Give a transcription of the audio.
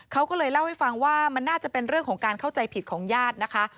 เขาก็เลยเล่าให้ฟังว่ามันน่าจะเป็นเรื่องของการเข้าใจผิดของญาตินะคะ